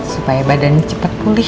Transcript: supaya badannya cepat pulih